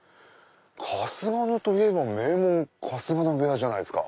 「かすがの」といえば名門春日野部屋じゃないですか。